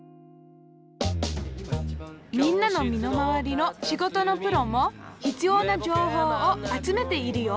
みんなの身の回りの仕事のプロも必要な情報を集めているよ。